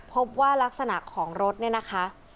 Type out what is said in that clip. พบว่ารักษณะของรถเนี่ยนะคะ